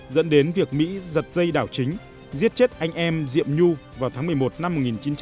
dẫn đến việc mỹ giật dây đảo chính giết chết anh em diệm nhu vào tháng một mươi một năm một nghìn chín trăm bảy mươi